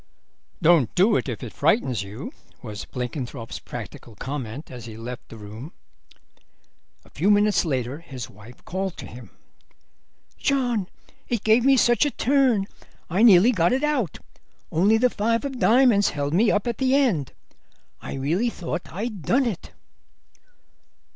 "Don't do it if it frightens you," was Blenkinthrope's practical comment as he left the room. A few minutes later his wife called to him. "John, it gave me such a turn, I nearly got it out. Only the five of diamonds held me up at the end. I really thought I'd done it."